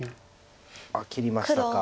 あっ切りましたか。